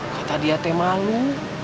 kata dia teh malu